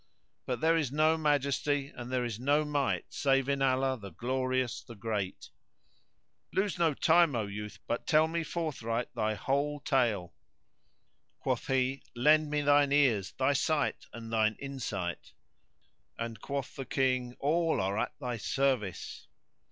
But there is no Majesty and there is no Might save in Allah, the Glorious, the Great![FN#116] Lose no time, O youth, but tell me forthright thy whole tale." Quoth he, "Lend me thine ears, thy sight and thine insight;" and quoth the King, "All are at thy service!"